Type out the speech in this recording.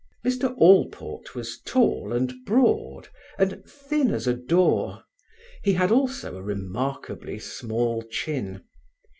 Mr Allport was tall and broad, and thin as a door; he had also a remarkably small chin.